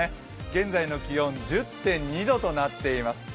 現在の気温１０．２度となっています。